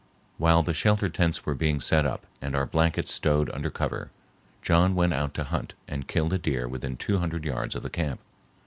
While the shelter tents were being set up and our blankets stowed under cover, John went out to hunt and killed a deer within two hundred yards of the camp.